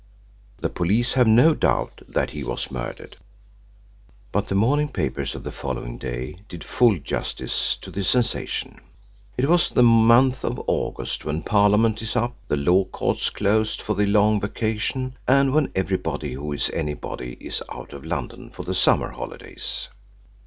The police have no doubt that he was murdered." But the morning papers of the following day did full justice to the sensation. It was the month of August when Parliament is "up," the Law Courts closed for the long vacation, and when everybody who is anybody is out of London for the summer holidays.